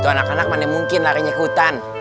anak anak mana mungkin larinya ke hutan